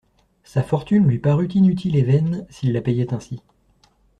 Sa fortune lui parut inutile et vaine, s'il la payait ainsi.